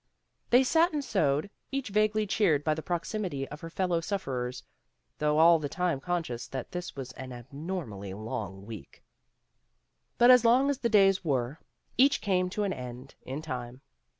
They sat and sewed, each vaguely cheered by the proximity of her fellow suffer ers, though all the time conscious that this was an abnormally long week. But long as the days were, each came to an end in time.